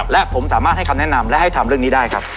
และผมสามารถให้คำแนะนำและให้ทำเรื่องนี้ได้ครับ